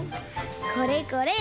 これこれ！